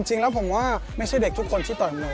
จริงแล้วผมว่าไม่ใช่เด็กทุกคนที่ต่อยมวย